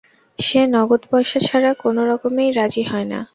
সে নগদ পয়সা ছাড়া কোনো রকমেই রাজি হয় না।